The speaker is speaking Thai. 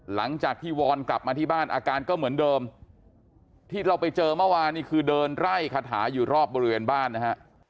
หลังจากที่วอนกลับมาที่บ้านอาการก็เหมือนเดิมที่เราไปเจอเมื่อวานนี้คือเดินไล่คาถาอยู่รอบบริเวณบ้านนะฮะ